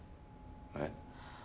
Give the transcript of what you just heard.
えっ？